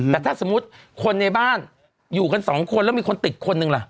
แต่ถ้าสมมุติคนในบ้านอยู่กันสองคนแล้วมีคนติดคนหนึ่งล่ะ